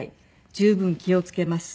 十分気を付けます」